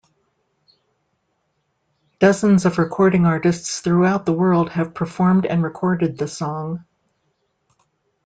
Dozens of recording artists throughout the world have performed and recorded the song.